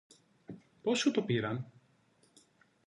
Πώς σου το πήραν;